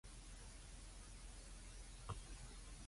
你又會咁怕女人嘅